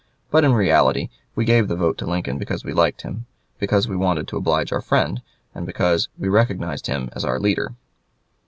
But in reality we gave the vote to Lincoln because we liked him, because we wanted to oblige our friend, and because we recognized him as our leader."